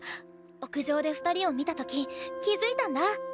屋上で２人を見た時気付いたんだ。